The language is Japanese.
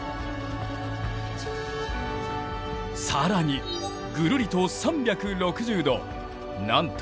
更にぐるりと３６０度なんと